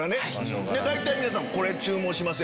皆さんこれ注文します？